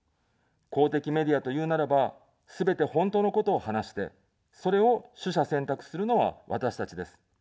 公的メディアというならば、すべて本当のことを話して、それを取捨選択するのは私たちです。